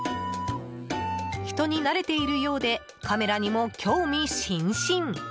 人に慣れているようでカメラにも興味津々！